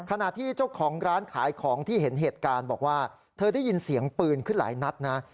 ขณะที่เจ้าของร้านขายของที่เห็นเหตุการณ์บอกว่าเธอได้ยินเสียงปืนขึ้นหลายนัดนะ